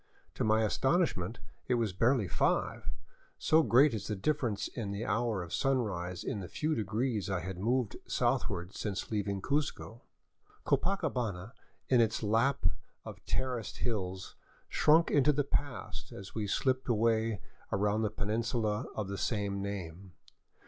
To my astonishment it was barely five, so great is the differ ence in the hour of. sunrise in the few degrees I had moved south ward since leaving Cuzco. Copacabana in its lap of terraced hills shrunk into the past as we slipped away around the peninsula of the same name.